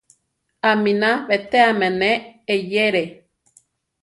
Aminá betéame ne eyéere.